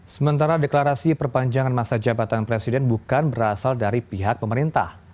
sementara deklarasi perpanjangan masa jabatan presiden bukan berasal dari pihak pemerintah